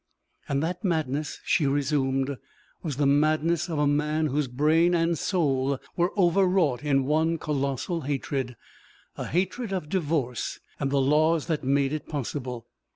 "And that madness," she resumed, "was the madness of a man whose brain and soul were overwrought in one colossal hatred a hatred of divorce and the laws that made it possible.